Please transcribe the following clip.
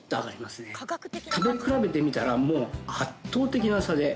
食べ比べてみたらもう圧倒的な差でアルミホイル。